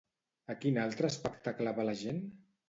A quin altre espectacle va la gent?